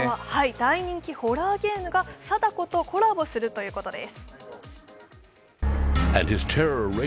大人気ホラーゲームが貞子とコラボするということです。